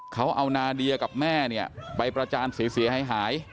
เขาเอานาเดียกับแม่เนี่ยไปประจานเสียหาย